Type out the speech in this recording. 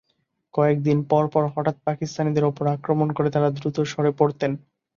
কয়েক দিন পর পর হঠাৎ পাকিস্তানিদের ওপর আক্রমণ করে তাঁরা দ্রুত সরে পড়তেন।